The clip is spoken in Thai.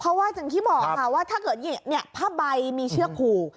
เพราะว่าจนที่บอกค่ะว่าถ้าเกิดอย่างเงี้ยผ้าใบมีเชือกผูก